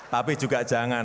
tapi juga jangan